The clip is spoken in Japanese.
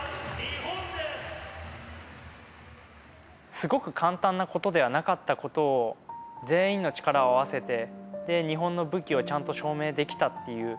すごく簡単なことではなかったことを全員の力を合わせて日本の武器をちゃんと証明できたっていう